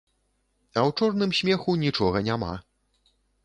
А ў чорным смеху нічога няма.